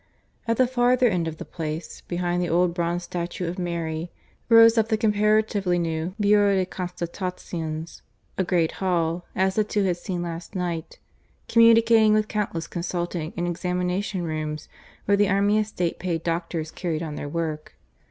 At the farther end of the Place, behind the old bronze statue of Mary, rose up the comparatively new Bureau de Constatations a great hall (as the two had seen last night), communicating with countless consulting and examination rooms, where the army of State paid doctors carried on their work.